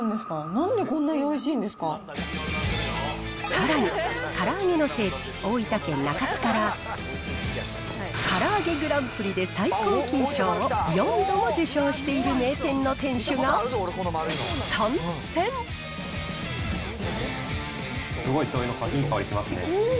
なんでこんなにおいしいんですかさらに、から揚げの聖地、大分県中津から、からあげグランプリで最高金賞を４度も受賞している名店の店主がすごい、しょうゆのいい香りしますね。